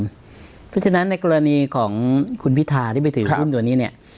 เพราะฉะนั้นในกรณีของคุณพิธาที่ไปถือหุ้นตัวนี้เนี่ย